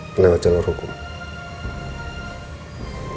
melewati lelah hukum